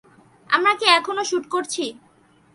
আমরা কি এখনও শুট করছি?